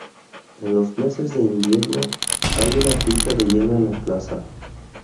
En los meses de invierno hay una pista de hielo en la plaza.